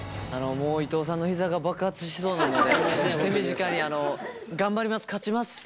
もう伊藤さんの膝が爆発しそうなので手短に頑張ります。